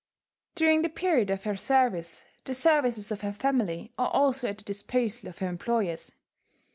During the period of her service, the services of her family are also at the disposal of her employers.